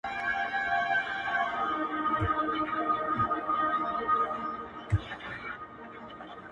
په دغه خپل وطن كي خپل ورورك.